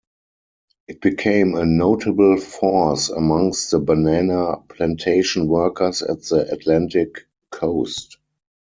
It became a notable force amongst the banana plantation workers at the Atlantic coast.